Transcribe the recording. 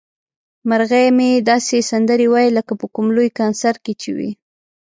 مرغۍ مې داسې سندرې وايي لکه په کوم لوی کنسرت کې چې وي.